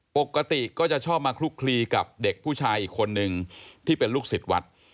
ปกติก็จะชอบมาคลุกคลีกับเด็กผู้ชายอีกคนนึงที่เป็นลูกศิษย์วัด